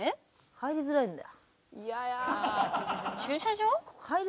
入りづらいんだよ。